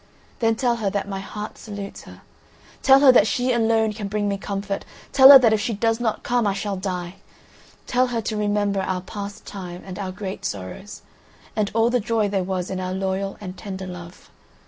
Then tell her that my heart salutes her; tell her that she alone can bring me comfort; tell her that if she does not come I shall die. Tell her to remember our past time, and our great sorrows, and all the joy there was in our loyal and tender love.